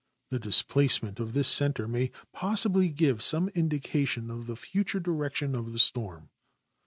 The displacement of this center ma}'' possibly give some indication of the future direction of the storm.